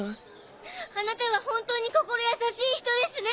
あなたは本当に心優しい人ですね！